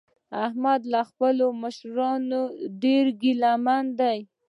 احمد له خپلو مشرانو نه ډېر ګله من دی.